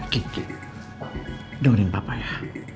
kiki dengerin papa ya